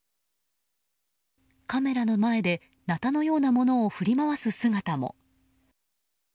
カメラの前でなたのようなものを振り回す姿も。